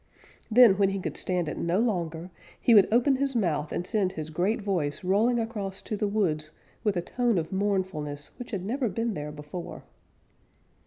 Then, when he could stand it no longer, he would open his mouth and send his great voice rolling across to the woods with a tone of mournfulness which never had been there before.